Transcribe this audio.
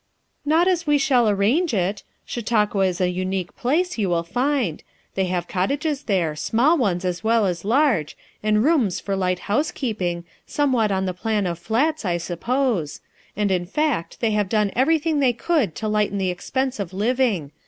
"Not as we shall arrange it; Chautauqua is a unique place, you will find; they have cot tages there, small ones as well as large, and rooms for light housekeeping, somewhat on the plan of flats, I suppose, and in fact they have done everything they could to lighten the ex pense of living.